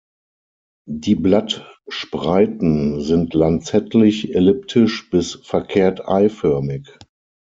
Die Blattspreiten sind lanzettlich, elliptisch bis verkehrt-eiförmig.